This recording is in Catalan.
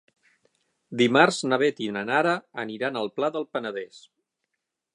Dimarts na Beth i na Nara aniran al Pla del Penedès.